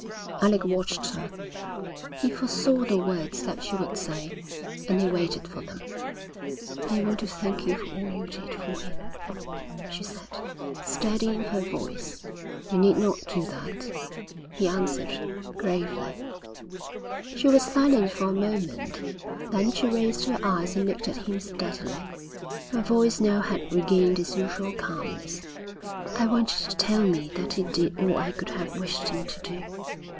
Alec watched her. He foresaw the words that she would say, and he waited for them. 'I want to thank you for all you did for him,' she said, steadying her voice. 'You need not do that,' he answered, gravely. She was silent for a moment. Then she raised her eyes and looked at him steadily. Her voice now had regained its usual calmness. 'I want you to tell me that he did all I could have wished him to do.'